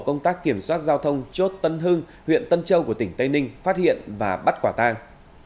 công tác kiểm soát giao thông chốt tân hưng huyện tân châu của tỉnh tây ninh phát hiện và bắt quả tang